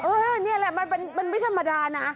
นี่แหละมันไม่ธรรมดานะ